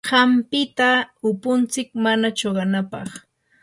hampita upuntsik mana chuqanapaq.